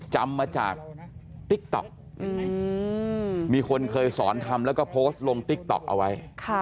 จำมาจากติ๊กต๊อกมีคนเคยสอนทำแล้วก็โพสต์ลงติ๊กต๊อกเอาไว้